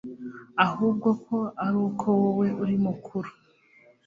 ahubwo ko aruko wowe uri mukuru